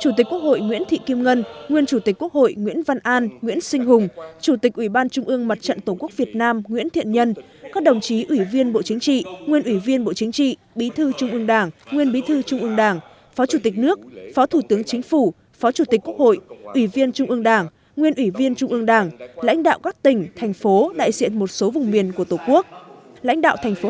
chủ tịch quốc hội nguyễn thị kim ngân nguyên chủ tịch quốc hội nguyễn văn an nguyễn sinh hùng chủ tịch ủy ban trung ương mặt trận tổ quốc việt nam nguyễn thiện nhân các đồng chí ủy viên bộ chính trị nguyên ủy viên bộ chính trị bí thư trung ương đảng nguyên bí thư trung ương đảng phó chủ tịch nước phó thủ tướng chính phủ phó chủ tịch quốc hội ủy viên trung ương đảng nguyên ủy viên trung ương đảng lãnh đạo các tỉnh thành phố đại diện một số vùng miền của tổ quốc lãnh đ